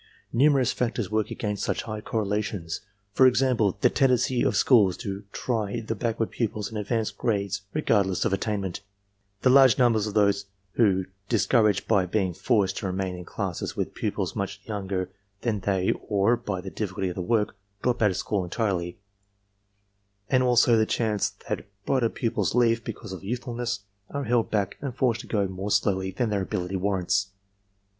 Numerous factors work against such high correlations, for example, the tendency of schools to try the backward pupils in advanced grades regardless of attainment; the large numbers of those who, discouraged by being forced to remain in classes with pupils much younger than they or by the difficulty of the work, drop out of school entirely; and also the chance that brighter pupils because of youthfulness are held back and forced to go more slowly than their ability warrants.